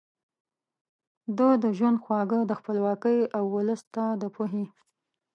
ده د ژوند خواږه د خپلواکۍ او ولس ته د پوهې